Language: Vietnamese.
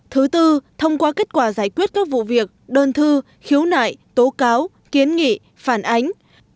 thứ tư thông qua kết quả giải quyết các vụ việc đơn thư khiếu nại tố cáo kiến nghị phản ánh